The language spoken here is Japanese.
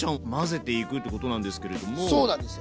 そうなんですよ。